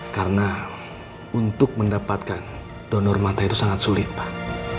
karena untuk mendapatkan donor mata itu sangat sulit pak